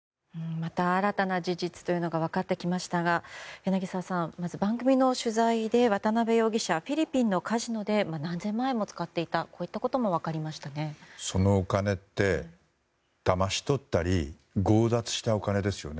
また新たな事実というのが分かってきましたが柳澤さん、まず番組の取材で渡邉容疑者はフィリピンのカジノで何千万円も使っていたことが分かりましたね。